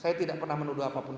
saya tidak pernah menuduh apapun